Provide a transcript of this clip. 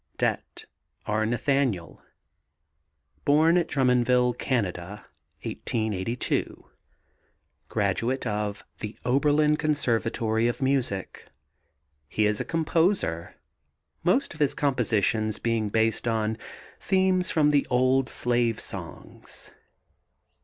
DETT, R. NATHANIEL. Born at Drummondville, Canada, 1882. Graduate of the Oberlin Conservatory of Music. He is a composer, most of his compositions being based on themes from the old "slave songs."